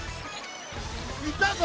いたぞ。